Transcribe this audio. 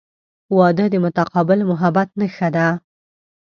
• واده د متقابل محبت نښه ده.